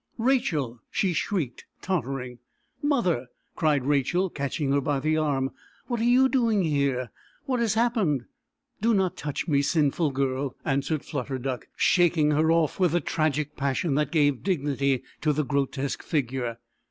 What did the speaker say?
"Rachel!" she shrieked, tottering. "Mother!" cried Rachel, catching her by the arm. "What are you doing here? What has happened?" "Do not touch me, sinful girl!" answered Flutter Duck, shaking her off with a tragic passion that gave dignity to the grotesque figure.